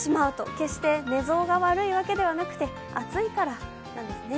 決して寝相が悪いわけではなくて暑いからなんですね。